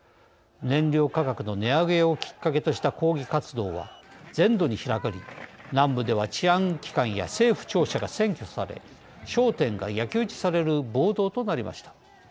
燃料価格の値上げをきっかけとした抗議活動は全土に広がり南部では治安機関や政府庁舎が占拠され商店が焼き打ちされる暴動となりました。